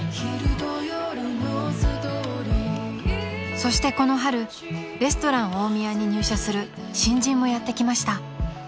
［そしてこの春レストラン大宮に入社する新人もやって来ました］